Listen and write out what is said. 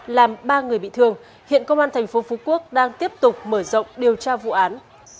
làm ba người bị thương hiện công an thành phố phú quốc đang tiếp tục mở rộng điều tra vụ án